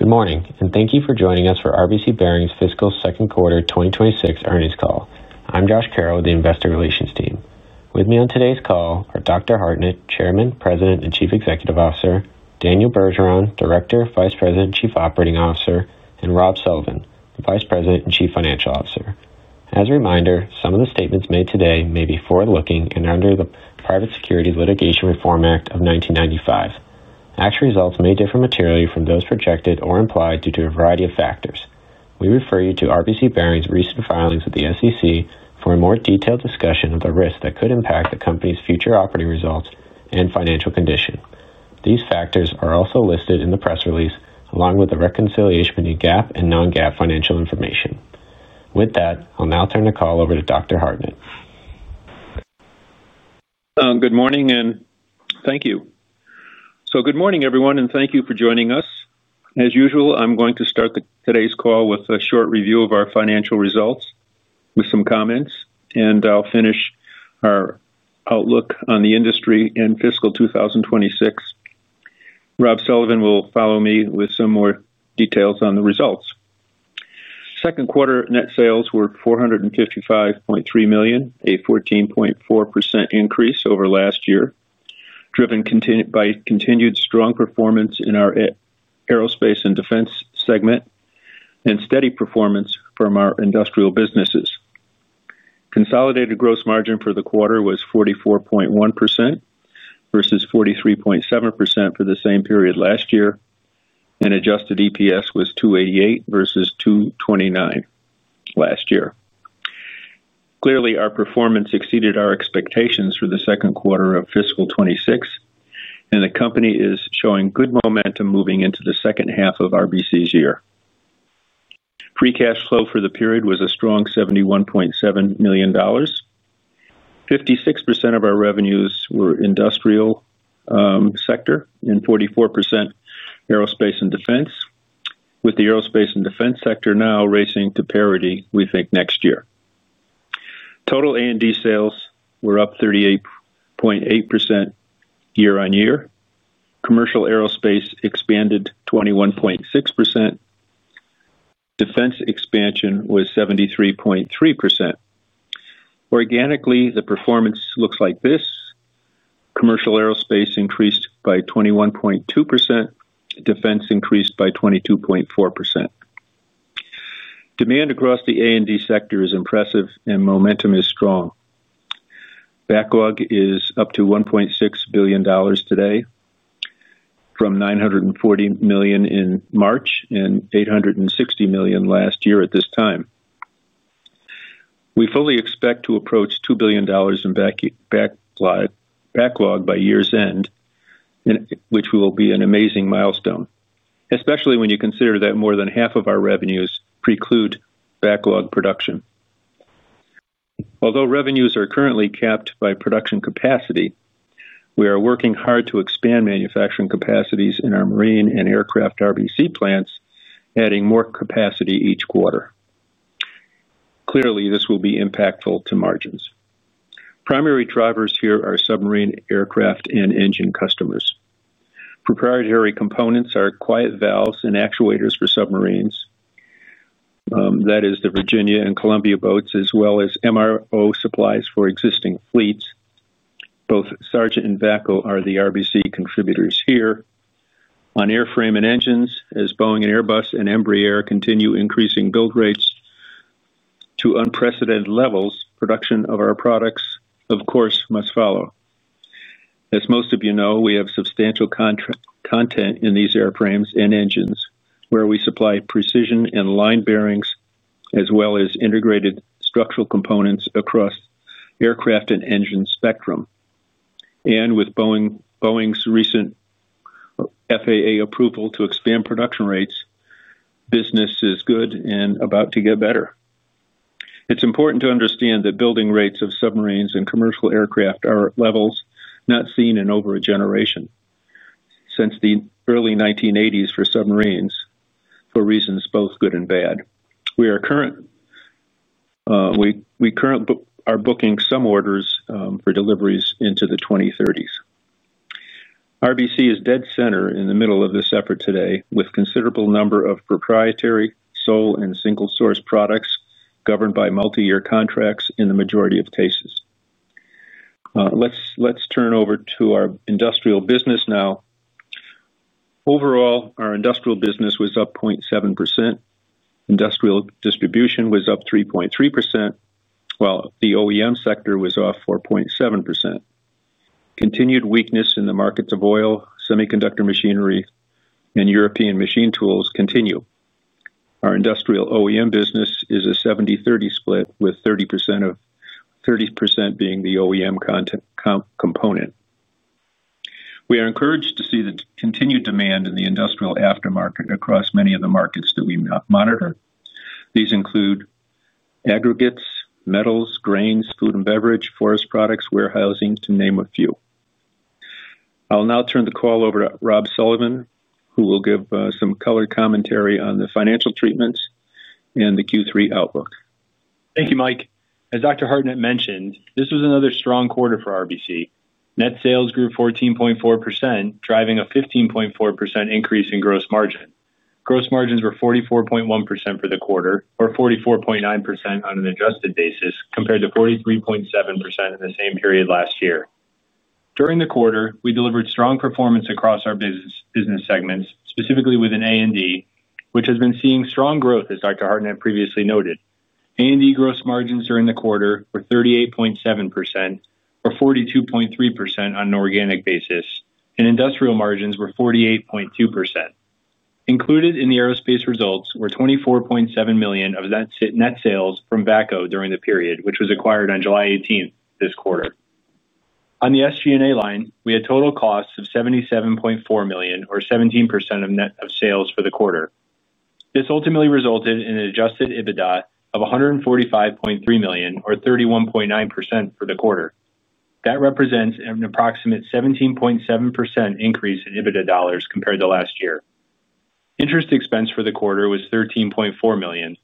Good morning, and thank you for joining us for RBC Bearings' fiscal second quarter 2026 earnings call. I'm Josh Carroll with the Investor Relations team. With me on today's call are Dr. Michael Hartnett, Chairman, President, and Chief Executive Officer; Daniel Bergeron, Director, Vice President, and Chief Operating Officer; and Rob Sullivan, Vice President and Chief Financial Officer. As a reminder, some of the statements made today may be forward-looking and under the Private Securities Litigation Reform Act of 1995. Actual results may differ materially from those projected or implied due to a variety of factors. We refer you to RBC Bearings' recent filings with the SEC for a more detailed discussion of the risks that could impact the company's future operating results and financial condition. These factors are also listed in the press release, along with the reconciliation between GAAP and non-GAAP financial information. With that, I'll now turn the call over to Dr. Hartnett. Good morning, and thank you. Good morning, everyone, and thank you for joining us. As usual, I'm going to start today's call with a short review of our financial results, with some comments, and I'll finish our outlook on the industry and fiscal 2026. Rob Sullivan will follow me with some more details on the results. Second quarter net sales were $455.3 million, a 14.4% increase over last year, driven by continued strong performance in our Aerospace and Defense segment and steady performance from our Industrial businesses. Consolidated gross margin for the quarter was 44.1%, versus 43.7% for the same period last year, and adjusted EPS was $2.88 versus $2.29 last year. Clearly, our performance exceeded our expectations for the second quarter of fiscal 2026, and the company is showing good momentum moving into the second half of RBC's year. Free cash flow for the period was a strong $71.7 million. 56% of our revenues were Industrial sector and 44% Aerospace and Defense, with the Aerospace and Defense sector now racing to parity, we think, next year. Total A&D sales were up 38.8% year-on-year. Commercial Aerospace expanded 21.6%. Defense expansion was 73.3%. Organically, the performance looks like this: Commercial Aerospace increased by 21.2%, Defense increased by 22.4%. Demand across the A&D sector is impressive, and momentum is strong. Backlog is up to $1.6 billion today from $940 million in March and $860 million last year at this time. We fully expect to approach $2 billion in backlog by year's end, which will be an amazing milestone, especially when you consider that more than half of our revenues preclude backlog production. Although revenues are currently capped by production capacity, we are working hard to expand manufacturing capacities in our marine and aircraft RBC plants, adding more capacity each quarter. Clearly, this will be impactful to margins. Primary drivers here are submarine, aircraft, and engine customers. Proprietary components are quiet valves and actuators for submarines, that is, the Virginia and Columbia boats, as well as MRO supplies for existing fleets. Both Sargent and VACCO are the RBC contributors here. On airframe and engines, as Boeing, Airbus, and Embraer continue increasing build rates to unprecedented levels, production of our products, of course, must follow. As most of you know, we have substantial content in these airframes and engines, where we supply precision and line bearings as well as integrated structural components across aircraft and engine spectrum. With Boeing's recent FAA approval to expand production rates, business is good and about to get better. It's important to understand that building rates of submarines and commercial aircraft are levels not seen in over a generation, since the early 1980s for submarines, for reasons both good and bad. We are currently booking some orders for deliveries into the 2030s. RBC is dead center in the middle of this effort today, with a considerable number of proprietary, sole, and single-source products governed by multi-year contracts in the majority of cases. Let's turn over to our Industrial business now. Overall, our Industrial business was up 0.7%. Industrial distribution was up 3.3%, while the OEM sector was off 4.7%. Continued weakness in the markets of oil, semiconductor machinery, and European machine tools continue. Our industrial OEM business is a 70/30 split, with 30% being the OEM component. We are encouraged to see the continued demand in the industrial aftermarket across many of the markets that we monitor. These include aggregates, metals, grains, food and beverage, forest products, warehousing, to name a few. I'll now turn the call over to Rob Sullivan, who will give some colored commentary on the financial treatments and the Q3 outlook. Thank you, Mike. As Dr. Hartnett mentioned, this was another strong quarter for RBC. Net sales grew 14.4%, driving a 15.4% increase in gross margin. Gross margins were 44.1% for the quarter, or 44.9% on an adjusted basis, compared to 43.7% in the same period last year. During the quarter, we delivered strong performance across our business segments, specifically within A&D, which has been seeing strong growth, as Dr. Hartnett previously noted. A&D gross margins during the quarter were 38.7%, or 42.3% on an organic basis, and industrial margins were 48.2%. Included in the aerospace results were $24.7 million of net sales from VACCO during the period, which was acquired on July 18th this quarter. On the SG&A line, we had total costs of $77.4 million, or 17% of sales for the quarter. This ultimately resulted in an adjusted EBITDA of $145.3 million, or 31.9% for the quarter. That represents an approximate 17.7% increase in EBITDA dollars compared to last year. Interest expense for the quarter was $13.4 million.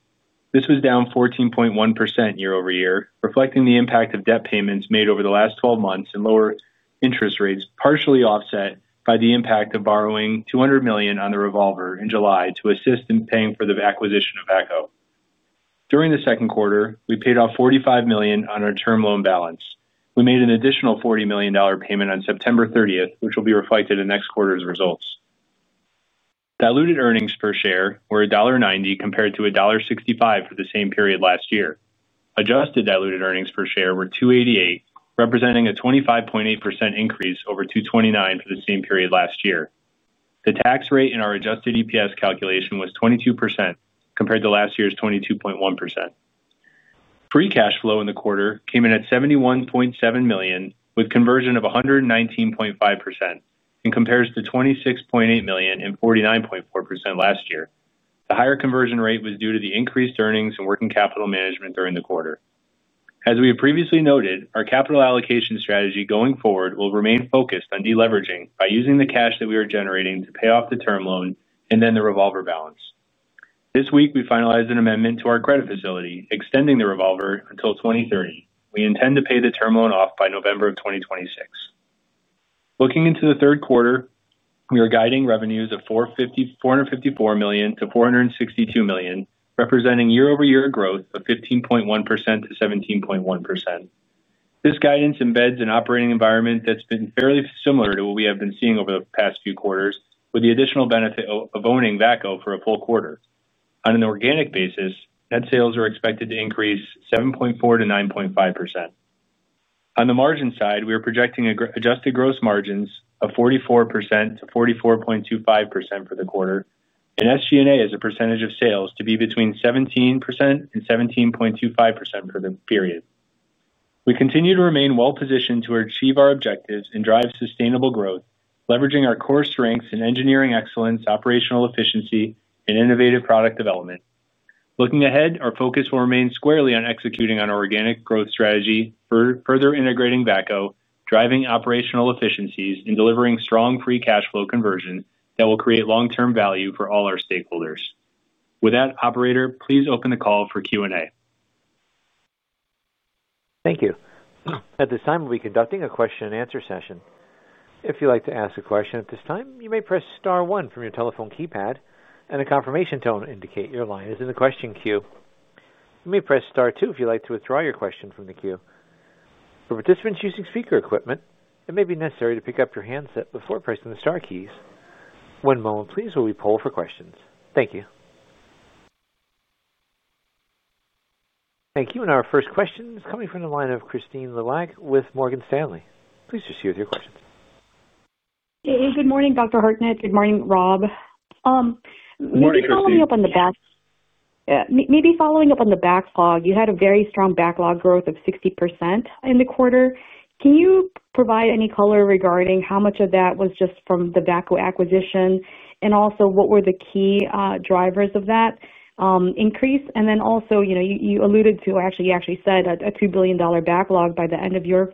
This was down 14.1% year-over-year, reflecting the impact of debt payments made over the last 12 months and lower interest rates, partially offset by the impact of borrowing $200 million on the revolver in July to assist in paying for the acquisition of VACCO. During the second quarter, we paid off $45 million on our term loan balance. We made an additional $40 million payment on September 30th, which will be reflected in next quarter's results. Diluted earnings per share were $1.90 compared to $1.65 for the same period last year. Adjusted diluted earnings per share were $2.88, representing a 25.8% increase over $2.29 for the same period last year. The tax rate in our adjusted EPS calculation was 22% compared to last year's 22.1%. Free cash flow in the quarter came in at $71.7 million, with conversion of 119.5%, and compares to $26.8 million and 49.4% last year. The higher conversion rate was due to the increased earnings and working capital management during the quarter. As we have previously noted, our capital allocation strategy going forward will remain focused on deleveraging by using the cash that we are generating to pay off the term loan and then the revolver balance. This week, we finalized an amendment to our credit facility, extending the revolver until 2030. We intend to pay the term loan off by November of 2026. Looking into the third quarter, we are guiding revenues of $454 million-$462 million, representing year-over-year growth of 15.1%-17.1%. This guidance embeds an operating environment that's been fairly similar to what we have been seeing over the past few quarters, with the additional benefit of owning VACCO for a full quarter. On an organic basis, net sales are expected to increase 7.4%-9.5%. On the margin side, we are projecting adjusted gross margins of 44%-44.25% for the quarter, and SG&A as a percentage of sales to be between 17% and 17.25% for the period. We continue to remain well-positioned to achieve our objectives and drive sustainable growth, leveraging our core strengths in engineering excellence, operational efficiency, and innovative product development. Looking ahead, our focus will remain squarely on executing on our organic growth strategy, further integrating VACCO, driving operational efficiencies, and delivering strong free cash flow conversion that will create long-term value for all our stakeholders. With that, Operator, please open the call for Q&A. Thank you. At this time, we'll be conducting a question-and-answer session. If you'd like to ask a question at this time, you may press star one from your telephone keypad, and a confirmation tone will indicate your line is in the question queue. You may press star two if you'd like to withdraw your question from the queue. For participants using speaker equipment, it may be necessary to pick up your handset before pressing the star keys. One moment, please, while we poll for questions. Thank you. Our first question is coming from the line of Kristine Liwag with Morgan Stanley. Please proceed with your questions. Good morning, Dr. Hartnett. Good morning, Rob. Morning, Christine. Maybe following up on the backlog, you had a very strong backlog growth of 60% in the quarter. Can you provide any color regarding how much of that was just from the VACCO acquisition and also what were the key drivers of that increase? You actually said a $2 billion backlog by the end of your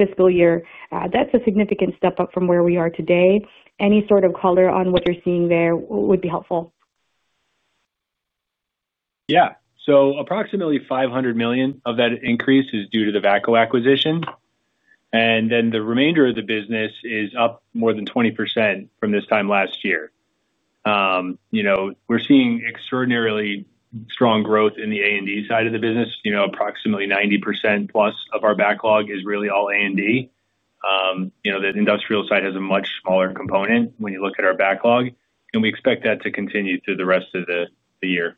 fiscal year. That's a significant step up from where we are today. Any sort of color on what you're seeing there would be helpful. Approximately $500 million of that increase is due to the VACCO acquisition. The remainder of the business is up more than 20% from this time last year. We're seeing extraordinarily strong growth in the A&D side of the business. Approximately 90%+ of our backlog is really all A&D. The industrial side has a much smaller component when you look at our backlog, and we expect that to continue through the rest of the year.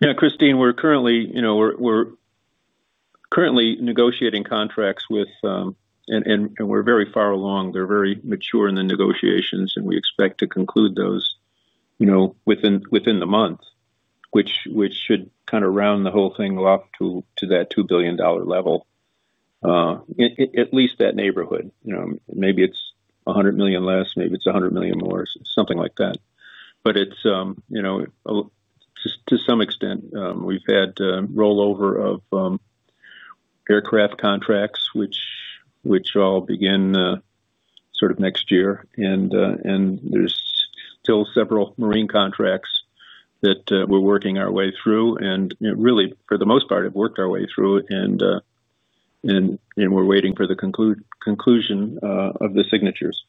Yeah. Kristine, we're currently negotiating contracts, and we're very far along. They're very mature in the negotiations, and we expect to conclude those within the month, which should kind of round the whole thing off to that $2 billion level, at least that neighborhood. Maybe it's $100 million less, maybe it's $100 million more, something like that. To some extent, we've had rollover of aircraft contracts, which all begin sort of next year. There's still several marine contracts that we're working our way through, and really, for the most part, have worked our way through, and we're waiting for the conclusion of the signatures.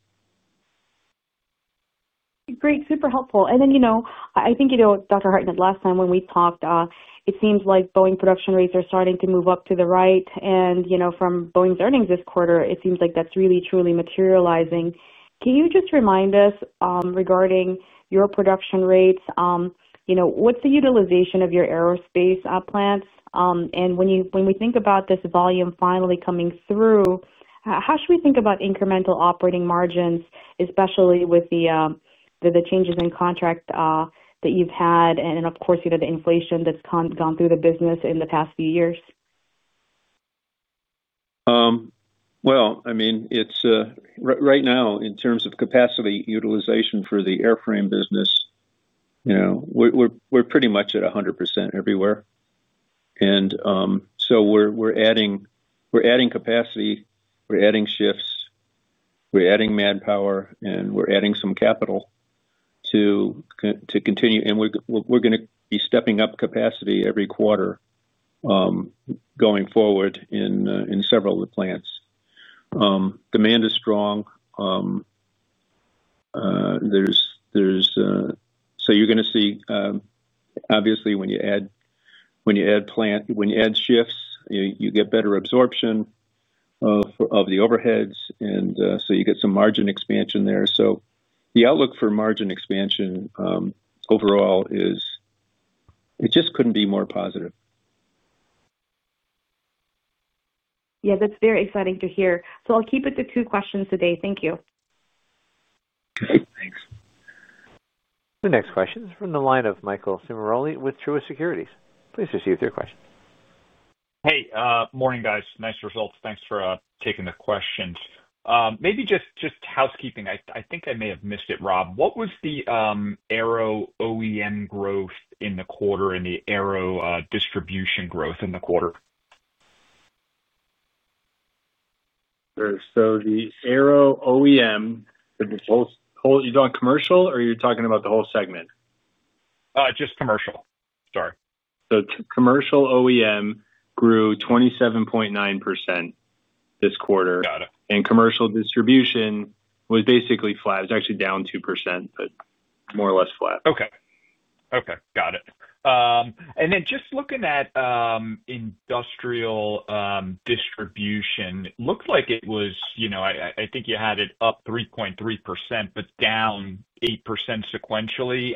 Great. Super helpful. I think you know, Dr. Hartnett, last time when we talked, it seems like Boeing production rates are starting to move up to the right. From Boeing's earnings this quarter, it seems like that's really, truly materializing. Can you just remind us regarding your production rates? What's the utilization of your aerospace plants? When we think about this volume finally coming through, how should we think about incremental operating margins, especially with the changes in contract that you've had and, of course, the inflation that's gone through the business in the past few years? Right now, in terms of capacity utilization for the airframe business, we're pretty much at 100% everywhere. We're adding capacity, we're adding shifts, we're adding manpower, and we're adding some capital to continue. We're going to be stepping up capacity every quarter going forward in several of the plants. Demand is strong. You're going to see, obviously, when you add plant, when you add shifts, you get better absorption of the overheads, and you get some margin expansion there. The outlook for margin expansion overall is, it just couldn't be more positive. That's very exciting to hear. I'll keep it to two questions today. Thank you. Okay. Thanks. The next question is from the line of Michael Ciarmoli with Truist Securities. Please proceed with your question. Hey. Morning, guys. Nice results. Thanks for taking the questions. Maybe just housekeeping. I think I may have missed it, Rob. What was the Aero OEM growth in the quarter and the Aero distribution growth in the quarter? You doing commercial in the Aero OEM, or are you talking about the whole segment? Just Commercial, sorry. Commercial OEM grew 27.9% this quarter. Got it. Commercial distribution was basically flat. It was actually down 2%, but more or less flat. Okay. Got it. Just looking at Industrial Distribution, it looked like it was, I think you had it up 3.3%, but down 8% sequentially.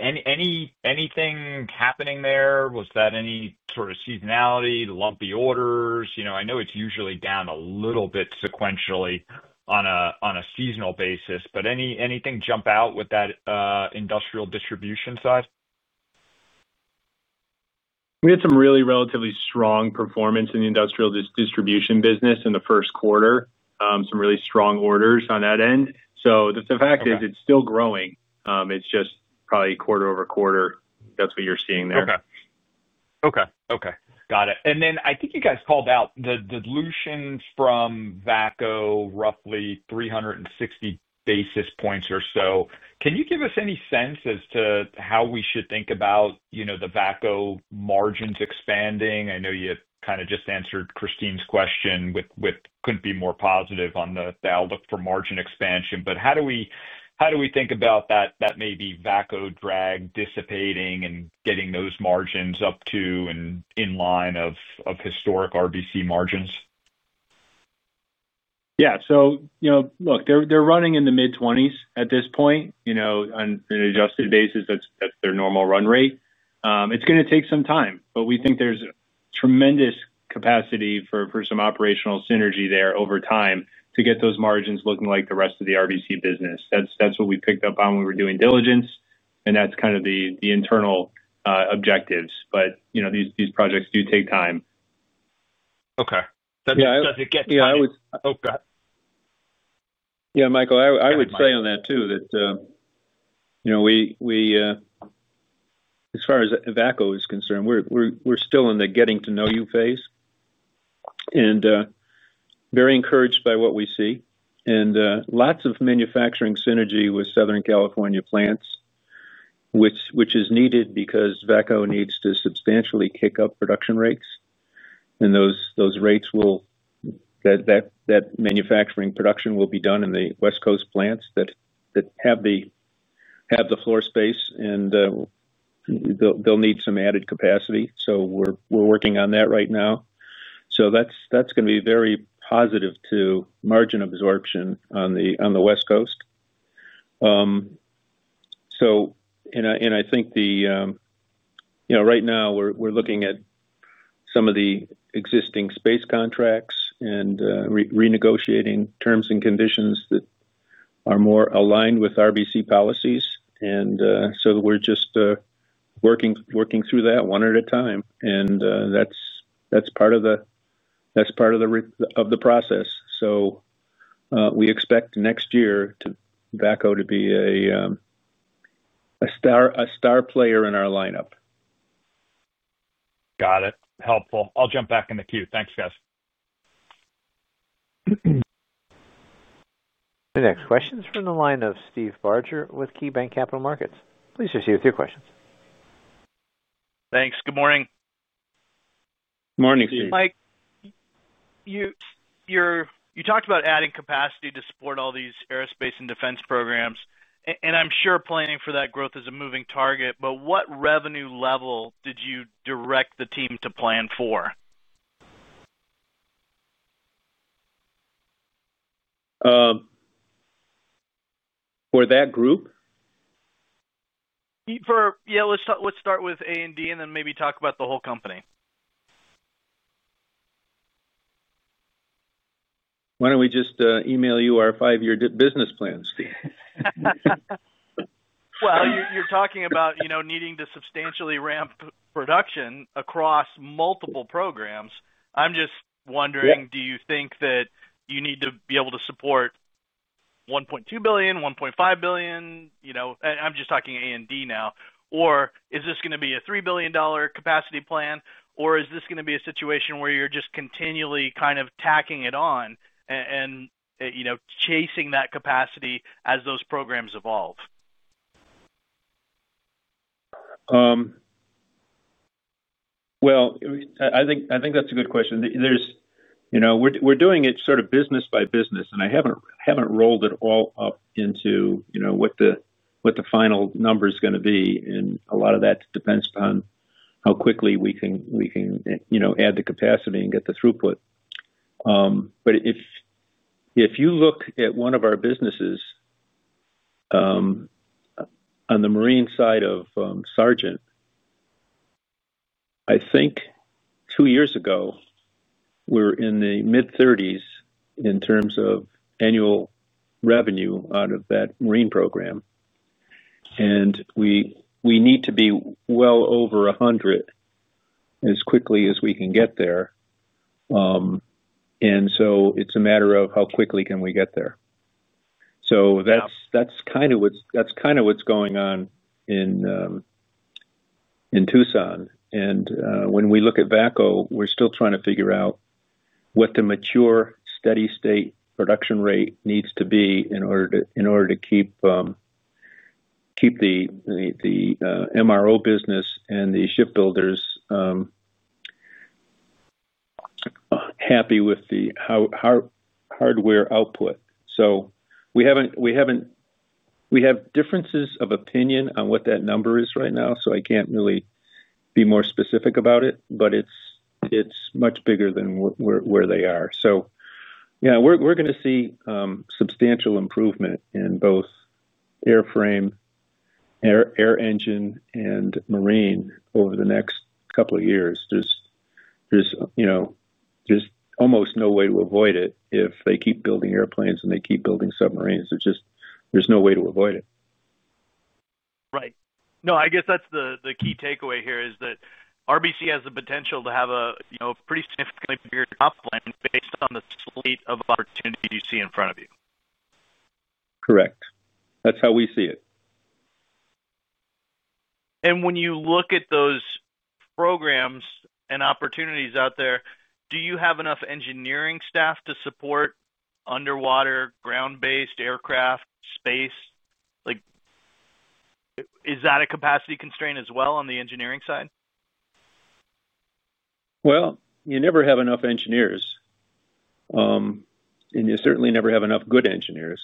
Anything happening there? Was that any sort of seasonality, lumpy orders? I know it's usually down a little bit sequentially on a seasonal basis, but anything jump out with that Industrial Distribution side? We had some really relatively strong performance in the Industrial Distribution business in the first quarter, some really strong orders on that end. The fact is it's still growing. It's just probably quarter over quarter. That's what you're seeing there. Okay. Got it. I think you guys called out the dilution from VACCO, roughly 360 basis points or so. Can you give us any sense as to how we should think about the VACCO margins expanding? I know you kind of just answered Kristine's question with, couldn't be more positive on the outlook for margin expansion. How do we think about that, maybe VACCO drag dissipating and getting those margins up to and in line with historic RBC margins? Yeah. Look, they're running in the mid-20% at this point. On an adjusted basis, that's their normal run rate. It's going to take some time, but we think there's tremendous capacity for some operational synergy there over time to get those margins looking like the rest of the RBC Bearings business. That's what we picked up on when we were doing diligence, and that's kind of the internal objectives. These projects do take time. Okay. Does it get time? Yeah, I would. Oh, go ahead. Yeah, Michael, I would say on that too. As far as VACCO is concerned, we're still in the getting-to-know-you phase. Very encouraged by what we see, and lots of manufacturing synergy with Southern California plants, which is needed because VACCO needs to substantially kick up production rates. Those rates will be done in the West Coast plants that have the floor space, and they'll need some added capacity. We're working on that right now. That's going to be very positive to margin absorption on the West Coast. I think right now, we're looking at some of the existing space contracts and renegotiating terms and conditions that are more aligned with RBC policies. We're just working through that one at a time, and that's part of the process. We expect next year for VACCO to be a star player in our lineup. Got it. Helpful. I'll jump back in the queue. Thanks, guys. The next question is from the line of Steve Barger with KeyBanc Capital Markets. Please proceed with your questions. Thanks. Good morning. Good morning, Steve. Mike, you talked about adding capacity to support all these Aerospace and Defense programs. I'm sure planning for that growth is a moving target, but what revenue level did you direct the team to plan for? For that group? Yeah. Let's start with A&D and then maybe talk about the whole company. Why don't we just email you our five-year business plan, Steve? You're talking about needing to substantially ramp production across multiple programs. I'm just wondering, do you think that you need to be able to support $1.2 billion, $1.5 billion? I'm just talking A&D now. Is this going to be a $3 billion capacity plan? Is this going to be a situation where you're just continually kind of tacking it on and chasing that capacity as those programs evolve? I think that's a good question. We're doing it sort of business by business, and I haven't rolled it all up into what the final number is going to be. A lot of that depends upon how quickly we can add the capacity and get the throughput. If you look at one of our businesses on the marine side of Sargent, I think two years ago we were in the mid-30s in terms of annual revenue out of that marine program, and we need to be well over $100 million as quickly as we can get there. It's a matter of how quickly can we get there. That's kind of what's going on in Tucson. When we look at VACCO, we're still trying to figure out what the mature steady-state production rate needs to be in order to keep the MRO business and the shipbuilders happy with the hardware output. We have differences of opinion on what that number is right now, so I can't really be more specific about it, but it's much bigger than where they are. We're going to see substantial improvement in both airframe, air engine, and marine over the next couple of years. There's almost no way to avoid it if they keep building airplanes and they keep building submarines. There's no way to avoid it. Right. No, I guess that's the key takeaway here is that RBC has the potential to have a pretty significantly bigger top plan based on the slate of opportunities you see in front of you. Correct. That's how we see it. When you look at those programs and opportunities out there, do you have enough engineering staff to support underwater, ground-based aircraft, space? Is that a capacity constraint as well on the engineering side? You never have enough engineers, and you certainly never have enough good engineers.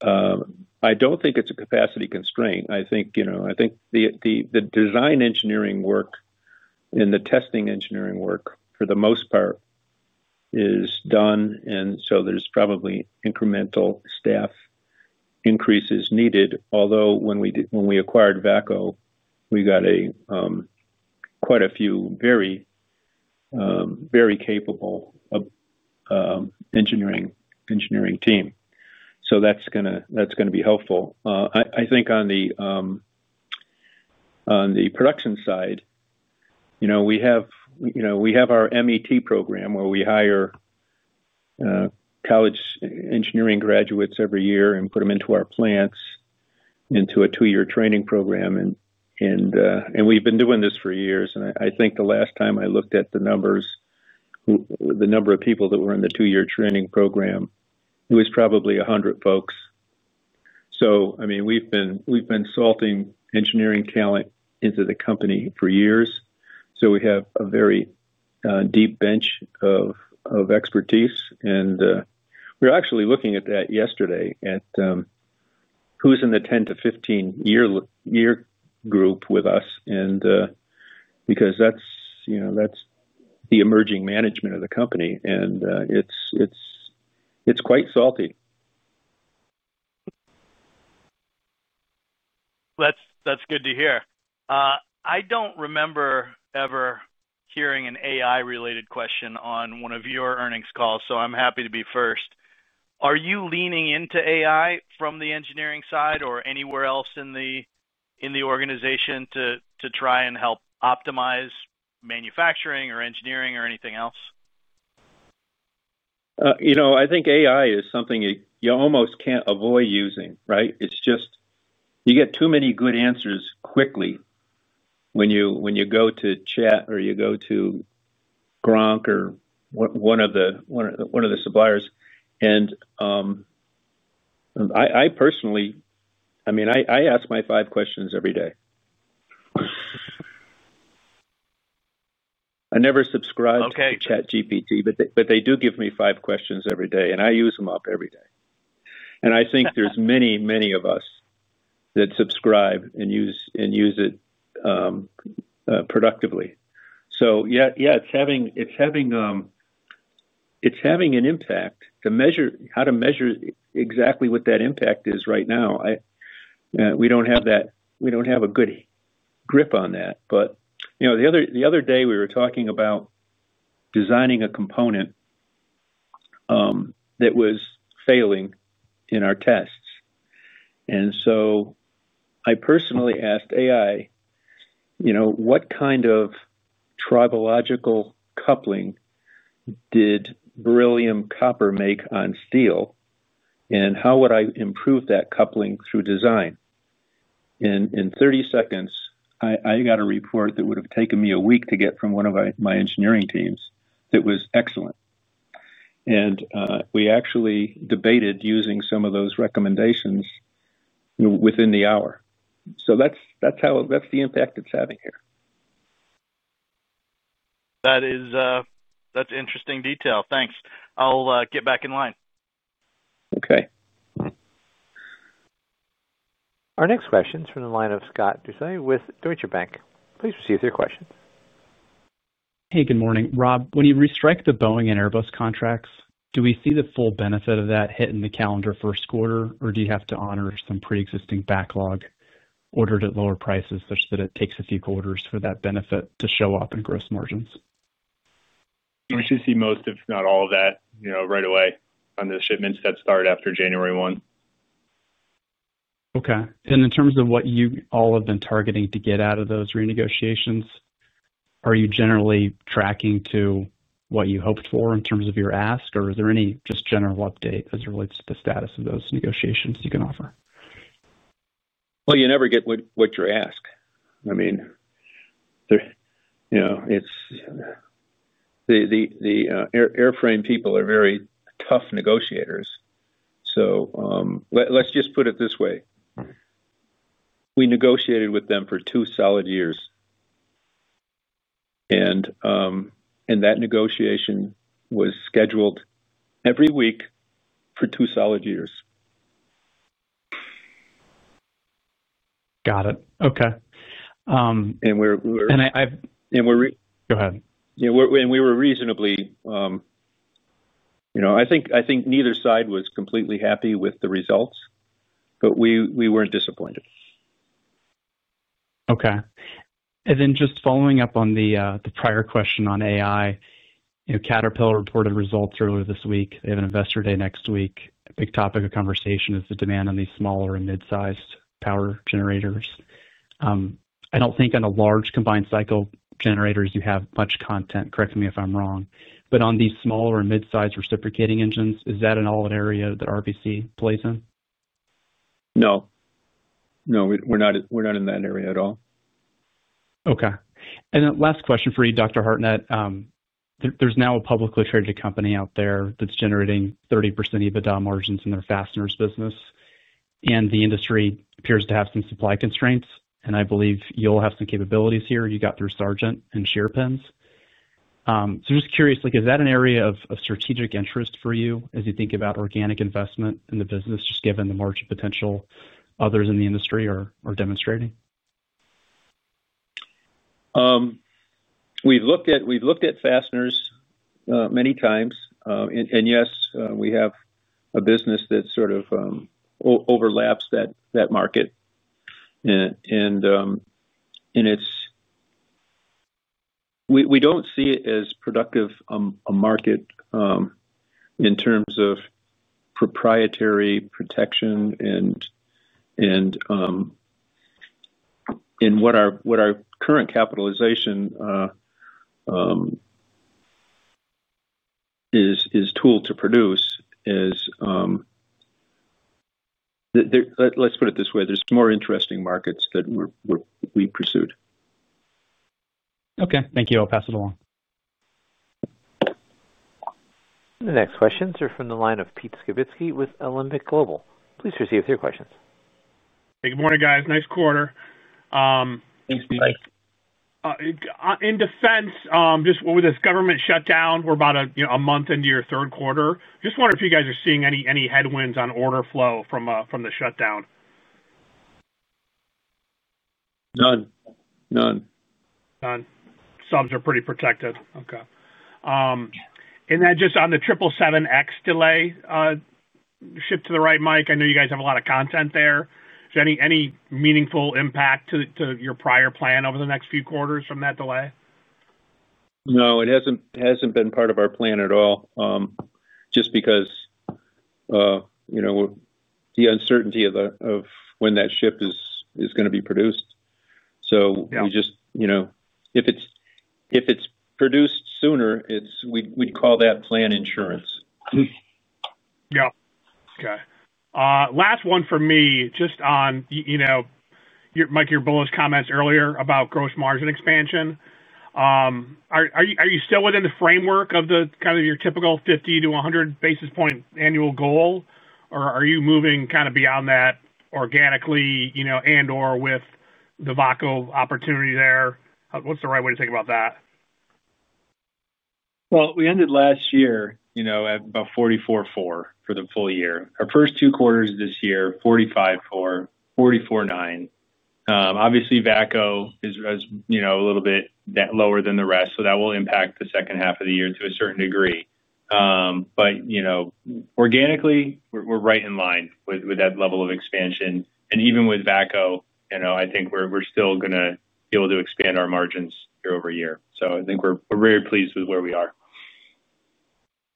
I don't think it's a capacity constraint. I think the design engineering work and the testing engineering work, for the most part, is done, and so there's probably incremental staff increases needed. Although when we acquired VACCO, we got quite a few very capable engineering team, so that's going to be helpful. I think on the production side, we have our MET program where we hire college engineering graduates every year and put them into our plants into a two-year training program. We've been doing this for years, and I think the last time I looked at the numbers, the number of people that were in the two-year training program was probably 100 folks. I mean, we've been salting engineering talent into the company for years, so we have a very deep bench of expertise. We were actually looking at that yesterday at who's in the 10 to 15-year group with us, because that's the emerging management of the company, and it's quite salty. That's good to hear. I don't remember ever hearing an AI-related question on one of your earnings calls, so I'm happy to be first. Are you leaning into AI from the engineering side or anywhere else in the organization to try and help optimize manufacturing or engineering or anything else? I think AI is something you almost can't avoid using, right? You get too many good answers quickly. When you go to Chat or you go to Grok or one of the suppliers. I personally, I mean, I ask my five questions every day. I never subscribed to ChatGPT, but they do give me five questions every day, and I use them up every day. I think there's many, many of us that subscribe and use it productively. Yeah, it's having an impact. How to measure exactly what that impact is right now, we don't have that. We don't have a good grip on that. The other day, we were talking about designing a component that was failing in our tests. I personally asked AI what kind of tribological coupling did beryllium copper make on steel, and how would I improve that coupling through design? In 30 seconds, I got a report that would have taken me a week to get from one of my engineering teams that was excellent. We actually debated using some of those recommendations within the hour. That's the impact it's having here. That's interesting detail. Thanks. I'll get back in line. Okay. Our next question is from the line of Scott Deuschle with Deutsche Bank. Please proceed with your questions. Hey, good morning. Rob, when you restrike the Boeing and Airbus contracts, do we see the full benefit of that hit in the calendar first quarter, or do you have to honor some pre-existing backlog ordered at lower prices such that it takes a few quarters for that benefit to show up in gross margins? We should see most, if not all of that, right away on the shipments that start after January 1. In terms of what you all have been targeting to get out of those renegotiations, are you generally tracking to what you hoped for in terms of your ask, or is there any general update as it relates to the status of those negotiations you can offer? You never get what you're asked. The airframe people are very tough negotiators. Let's just put it this way. We negotiated with them for two solid years. That negotiation was scheduled every week for two solid years. Got it. Okay. And we're. And I. And we're. Go ahead. We were reasonably satisfied. I think neither side was completely happy with the results, but we weren't disappointed. Okay. Just following up on the prior question on AI, Caterpillar reported results earlier this week. They have an investor day next week. A big topic of conversation is the demand on these smaller and mid-sized power generators. I don't think on large combined cycle generators you have much content, correct me if I'm wrong. On these smaller and mid-sized reciprocating engines, is that an all-in area that RBC plays in? No, we're not in that area at all. Okay. Last question for you, Dr. Hartnett. There's now a publicly-traded company out there that's generating 30% EBITDA margins in their fasteners business. The industry appears to have some supply constraints. I believe you have some capabilities here. You got through Sargent and Shearpins. Just curious, is that an area of strategic interest for you as you think about organic investment in the business, given the margin potential others in the industry are demonstrating? We've looked at fasteners many times. Yes, we have a business that sort of overlaps that market. We don't see it as a productive market in terms of proprietary protection and what our current capitalization is tooled to produce. Let's put it this way: there are more interesting markets that we pursued. Okay, thank you. I'll pass it along. The next questions are from the line of Pete Skibitski with Alembic Global. Please proceed with your questions. Hey, good morning, guys. Nice quarter. Thanks, Pete. In Defense, just with this government shutdown, we're about a month into your third quarter. Just wondering if you guys are seeing any headwinds on order flow from the shutdown. None. None. None. Subs are pretty protected. Okay. Just on the 777X delay, shift to the right, Mike. I know you guys have a lot of content there. Is there any meaningful impact to your prior plan over the next few quarters from that delay? No, it hasn't been part of our plan at all, just because of the uncertainty of when that ship is going to be produced. If it's produced sooner, we'd call that plan insurance. Yeah. Okay. Last one for me, just on your bonus comments earlier about gross margin expansion. Are you still within the framework of kind of your typical 50-100 basis point annual goal, or are you moving kind of beyond that organically and/or with the VACCO opportunity there? What's the right way to think about that? We ended last year at about 44.4 basis points for the full year. Our first two quarters this year, 45.4 basis points, 44.9 basis points. Obviously, VACCO is a little bit lower than the rest, so that will impact the second half of the year to a certain degree. Organically, we're right in line with that level of expansion. Even with VACCO, I think we're still going to be able to expand our margins year-over-year. I think we're very pleased with where we are.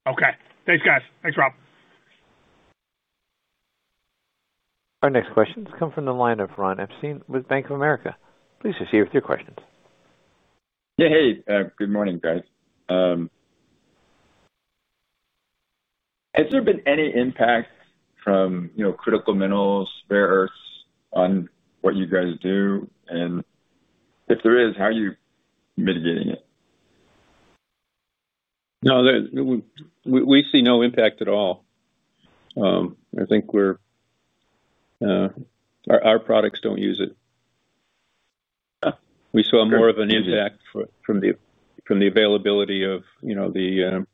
Okay. Thanks, guys. Thanks, Rob. Our next questions come from the line of Ron Epstein with Bank of America. Please proceed with your questions. Hey, good morning, guys. Has there been any impact from critical minerals, rare earths, on what you guys do? If there is, how are you mitigating it? No, we see no impact at all. I think our products don't use it. We saw more of an impact from the availability of the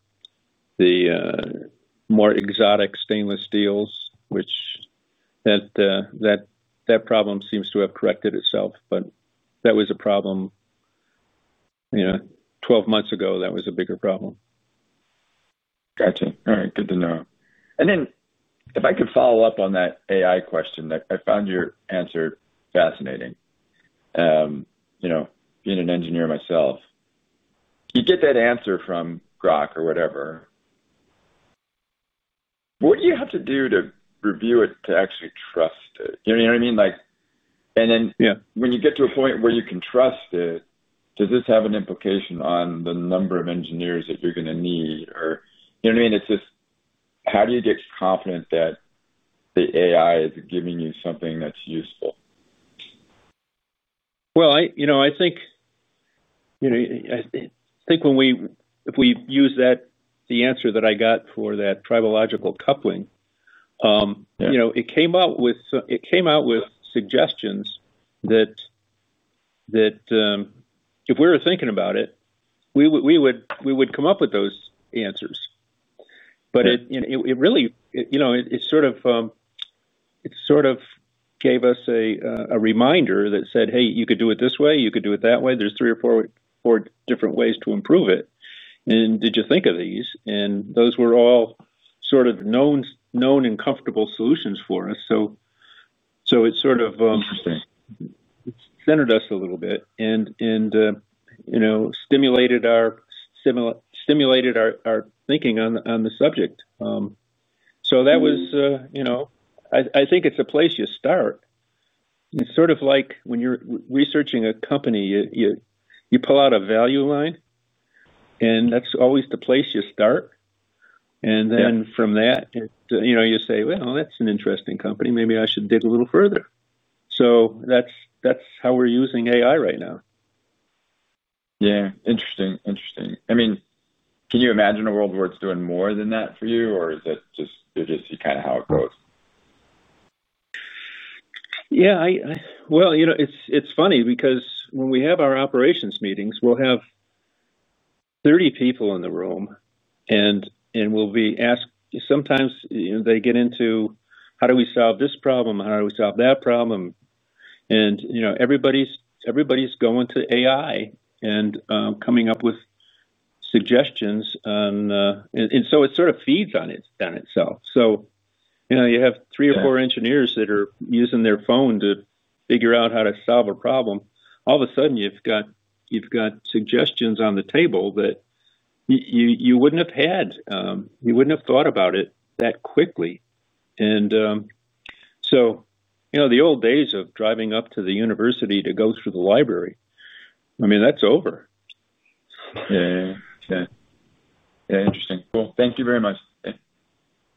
more exotic stainless steels, which, that problem seems to have corrected itself. That was a problem 12 months ago, that was a bigger problem. Gotcha. All right. Good to know. If I could follow up on that AI question, I found your answer fascinating. Being an engineer myself, you get that answer from Grok or whatever. What do you have to do to review it to actually trust it? You know what I mean? When you get to a point where you can trust it, does this have an implication on the number of engineers that you're going to need? You know what I mean? It's just how do you get confident that the AI is giving you something that's useful? I think when we use the answer that I got for that tribological coupling, it came out with suggestions that if we were thinking about it, we would come up with those answers. It really gave us a reminder that said, "Hey, you could do it this way. You could do it that way. There's three or four different ways to improve it. Did you think of these?" Those were all known and comfortable solutions for us. It centered us a little bit and stimulated our thinking on the subject. I think it's a place you start. It's sort of like when you're researching a company, you pull out a value line, and that's always the place you start. From that, you say, "That's an interesting company. Maybe I should dig a little further." That's how we're using AI right now. Interesting. Interesting. Can you imagine a world where it's doing more than that for you, or is it just kind of how it goes? Yeah, it's funny because when we have our operations meetings, we'll have 30 people in the room, and we'll be asked sometimes, they get into, "How do we solve this problem? How do we solve that problem?" Everybody's going to AI and coming up with suggestions, and it sort of feeds on itself. You have three or four engineers that are using their phone to figure out how to solve a problem. All of a sudden, you've got suggestions on the table that you wouldn't have had. You wouldn't have thought about it that quickly. The old days of driving up to the university to go through the library, I mean, that's over. Yeah. Interesting. Cool. Thank you very much.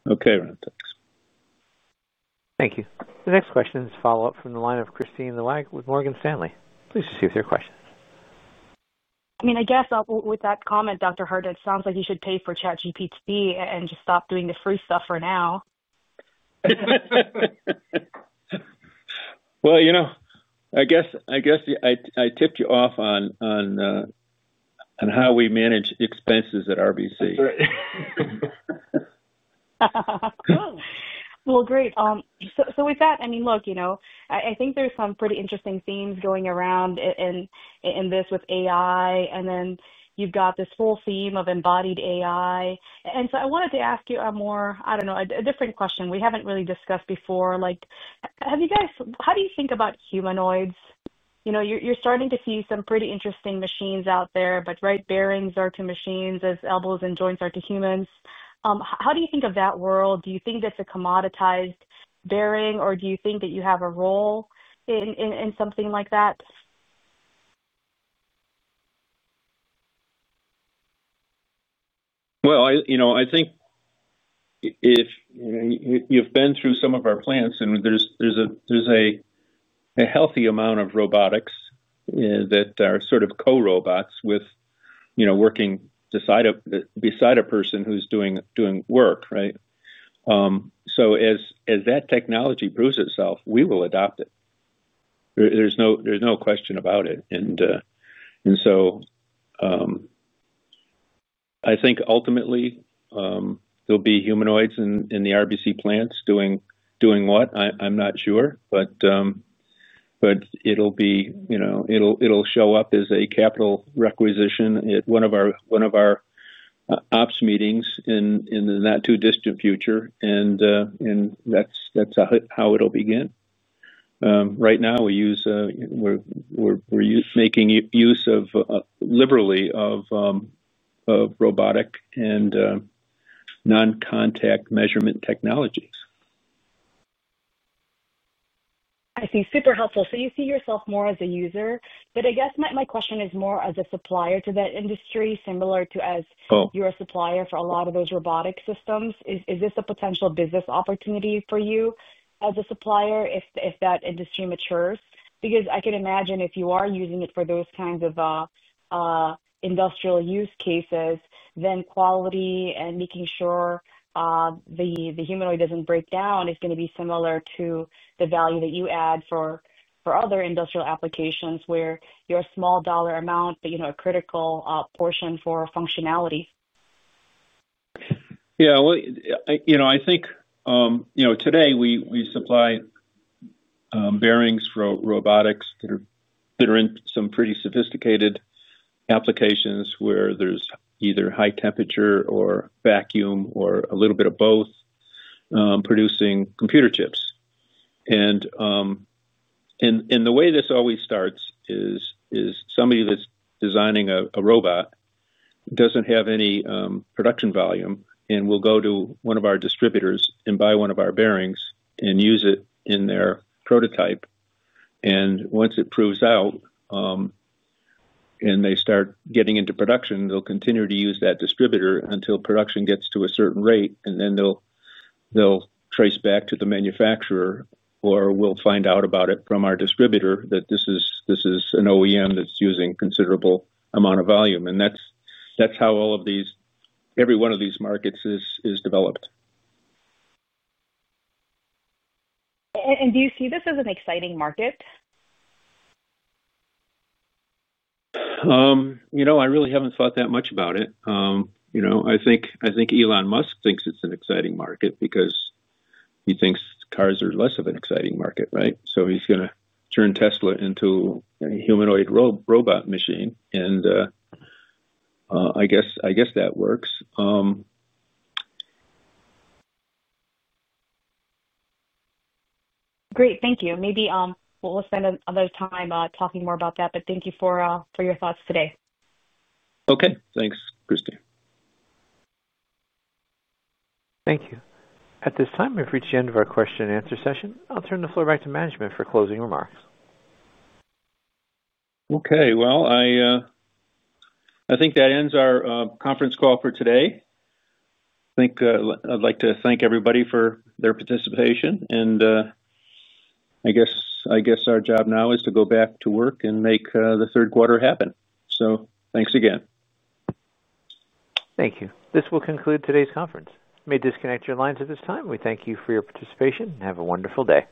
Okay, Ron. Thanks. Thank you. The next question is a follow-up from the line of Kristine Liwag with Morgan Stanley. Please proceed with your questions. I mean, I guess with that comment, Dr. Hartnett, it sounds like you should pay for ChatGPT and just stop doing the free stuff for now. I tipped you off on how we manage expenses at RBC. I think there's some pretty interesting themes going around in this with AI. Then you've got this whole theme of embodied AI. I wanted to ask you a more, I don't know, a different question we haven't really discussed before. How do you think about humanoids? You're starting to see some pretty interesting machines out there, but right bearings are to machines as elbows and joints are to humans. How do you think of that world? Do you think that's a commoditized bearing, or do you think that you have a role in something like that? I think you've been through some of our plants, and there's a healthy amount of robotics that are sort of co-robots working beside a person who's doing work, right? As that technology proves itself, we will adopt it. There's no question about it. I think ultimately there'll be humanoids in the RBC plants doing what, I'm not sure. It'll show up as a capital requisition at one of our ops meetings in the not-too-distant future, and that's how it'll begin. Right now, we're making use of robotic and non-contact measurement technologies. I see. Super helpful. You see yourself more as a user. I guess my question is more as a supplier to that industry, similar to as you're a supplier for a lot of those robotic systems. Is this a potential business opportunity for you as a supplier if that industry matures? I can imagine if you are using it for those kinds of industrial use cases, then quality and making sure the humanoid doesn't break down is going to be similar to the value that you add for other industrial applications where you're a small dollar amount, but a critical portion for functionality. I think today we supply bearings for robotics that are in some pretty sophisticated applications where there's either high temperature or vacuum or a little bit of both, producing computer chips. The way this always starts is somebody that's designing a robot doesn't have any production volume and will go to one of our distributors and buy one of our bearings and use it in their prototype. Once it proves out and they start getting into production, they'll continue to use that distributor until production gets to a certain rate. They'll trace back to the manufacturer, or we'll find out about it from our distributor that this is an OEM that's using a considerable amount of volume. That's how every one of these markets is developed. Do you see this as an exciting market? I really haven't thought that much about it. I think Elon Musk thinks it's an exciting market because he thinks cars are less of an exciting market, right? He's going to turn Tesla into a humanoid robot machine. I guess that works. Great. Thank you. Maybe we'll spend another time talking more about that. Thank you for your thoughts today. Okay. Thanks, Kristine. Thank you. At this time, we've reached the end of our question-and-answer session. I'll turn the floor back to management for closing remarks. I think that ends our conference call for today. I'd like to thank everybody for their participation. I guess our job now is to go back to work and make the third quarter happen. Thanks again. Thank you. This will conclude today's conference. We may disconnect your lines at this time. We thank you for your participation and have a wonderful day.